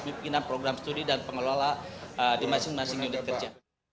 pimpinan program studi dan pengelola di masing masing unit kerja